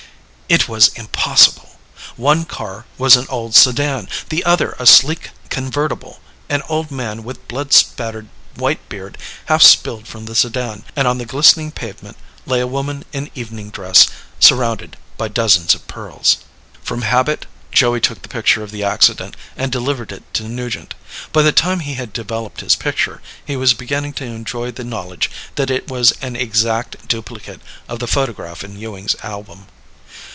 It was impossible. One car was an old sedan. The other, a sleek convertible. An old man with blood spattered white beard half spilled from the sedan and on the glistening pavement lay a woman in evening dress, surrounded by dozens of pearls. From habit, Joey took the picture of the accident and delivered it to Nugent. By the time he had developed his picture, he was beginning to enjoy the knowledge that it was an exact duplicate of the photograph in Ewing's album.